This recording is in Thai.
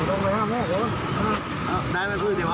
โอเคค่ะไป